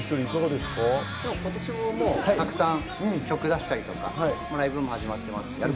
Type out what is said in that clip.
今年もたくさん曲を出したりとか、ライブも始まってます。